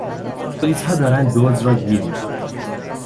پلیسها دارند دزد را گیر میآورند.